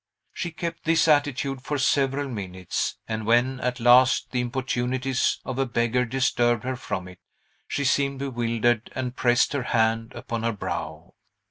She kept this attitude for several minutes, and when, at last, the importunities of a beggar disturbed her from it, she seemed bewildered and pressed her hand upon her brow.